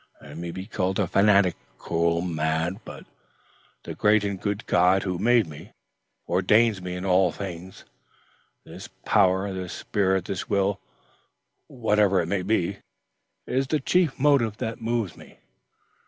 I may be called a fanatic, cruel, mad; but the great and good God who made me ordains me in all things. This power this spirit this will, whatever it may be, is the chief motive that moves me.